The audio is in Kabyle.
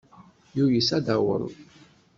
Tuyes ad taweḍ.